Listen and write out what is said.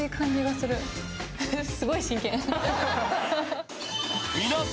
すごい真剣。